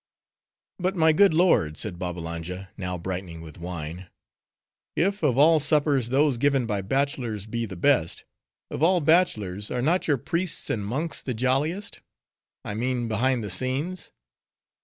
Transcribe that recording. "But my good lords," said Babbalanja, now brightening with wine; "if, of all suppers those given by bachelors be the best:—of all bachelors, are not your priests and monks the jolliest? I mean, behind the scenes?